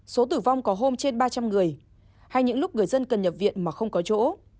số tử vong có hôm trên ba trăm linh người hay những lúc người dân cần nhập viện mà không có chỗ